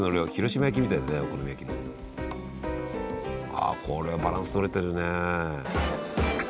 ああこれバランス取れてるね。